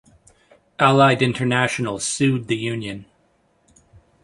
Allied International sued the union.